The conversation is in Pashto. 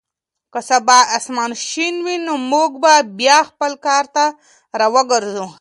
که سبا اسمان شین وي نو موږ به بیا خپل کار ته راوګرځو.